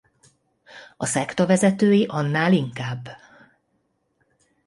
A szekta vezetői annál inkább.